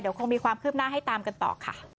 เดี๋ยวคงมีความคืบหน้าให้ตามกันต่อค่ะ